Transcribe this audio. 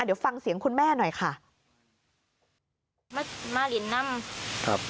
เดี๋ยวฟังเสียงคุณแม่หน่อยค่ะมามารินนำครับ